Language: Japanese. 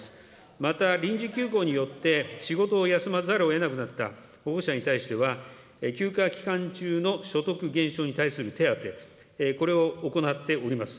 また、臨時休校によって仕事を休まざるをえなくなった保護者に対しては、休暇期間中の所得減少に対する手当、これを行っております。